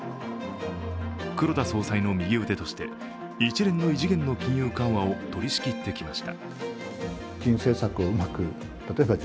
黒田総裁の右腕として一連の異次元の金融緩和を取りしきってきました。